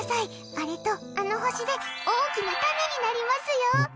あれと、あの星で大きな種になりますよ。